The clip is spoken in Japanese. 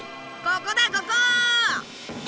ここだここ！